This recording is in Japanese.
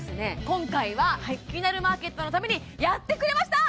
今回は「キニナルマーケット」のためにやってくれました！